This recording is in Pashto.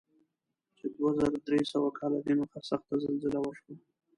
چې دوه زره درې سوه کاله دمخه سخته زلزله وشوه.